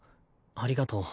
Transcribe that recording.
ありがとう。